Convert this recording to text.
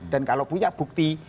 dan kalau punya bukti